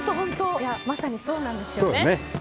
まさにそうなんですよね。